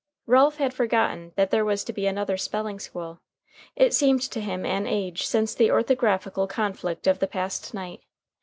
Ralph had forgotten that there was to be another spelling school. It seemed to him an age since the orthographical conflict of the past night.